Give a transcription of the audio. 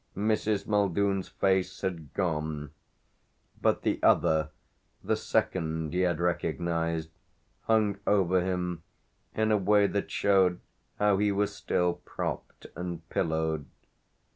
Mrs. Muldoon's face had gone, but the other, the second he had recognised, hung over him in a way that showed how he was still propped and pillowed.